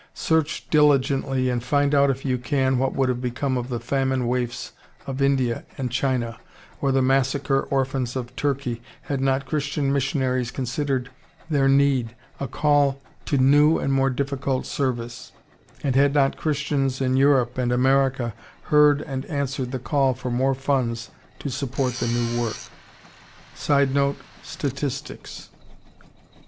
Search diligently and find out if you can what would have become of the famine waifs of India and China, or the massacre orphans of Turkey, had not Christian missionaries considered their need a call to new and more difficult service, and had not Christians in Europe and America heard and answered the call for more funds to support the new work. [Sidenote: Statistics.